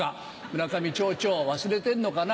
村上町長忘れてんのかな？